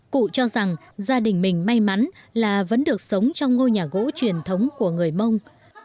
cụ cho rằng gia đình mình may mắn là vẫn được sống trong ngôi nhà gỗ truyền thống của người mông